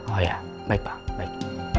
oh ya baik pak baik